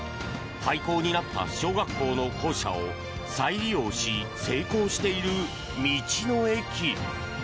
廃校になった小学校の校舎を再利用し成功している道の駅。